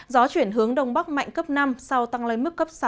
gió chuyển hướng đông bắc mạnh cấp năm sau tăng lên mức cấp sáu